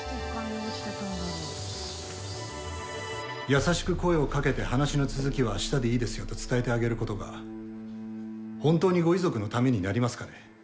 優しく声を掛けて「話の続きはあしたでいいですよ」と伝えてあげることが本当にご遺族のためになりますかね？